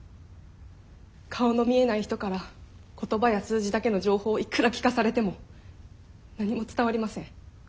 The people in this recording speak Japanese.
顔の見えない人から言葉や数字だけの情報をいくら聞かされても何も伝わりません。